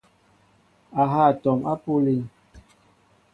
A ha atɔm apuʼ alín.